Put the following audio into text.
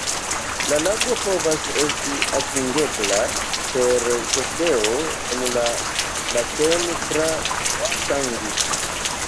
La lago povas esti atingebla per ŝoseo el Laĉen tra Thangu.